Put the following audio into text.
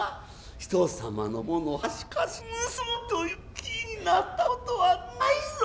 他人様の物はしかたし盗もうという気になったことはないぞ。